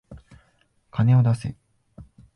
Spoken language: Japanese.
金を出せ。